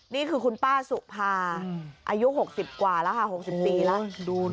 นี่คือคุณป้าสุภาอายุหกสิบกว่าแล้วค่ะหกสิบปีแล้ว